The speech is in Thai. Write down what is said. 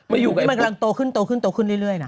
ไม่อยู่กับนี่มันกำลังโตขึ้นโตขึ้นโตขึ้นเรื่อยเรื่อยน่ะ